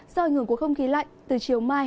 do ảnh hưởng của không khí lạnh từ chiều mai